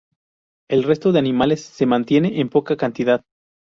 El resto de animales se mantiene en poca cantidad.